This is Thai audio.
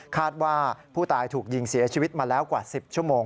คาดว่าผู้ตายถูกยิงเสียชีวิตมาแล้วกว่า๑๐ชั่วโมง